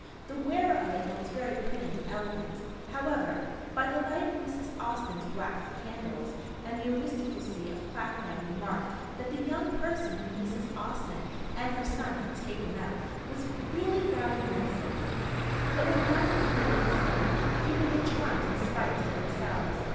The wearer of it looked very pretty and elegant, however, by the light of Mrs. Austin's wax candles; and the aristocracy of Clapham remarked that the "young person" whom Mrs. Austin and her son had "taken up" was really rather nice looking. But when Margaret played and sang, people were charmed in spite of themselves.